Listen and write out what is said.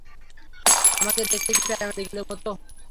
আমাকে দেখতে কি প্যারামেডিকের মতো?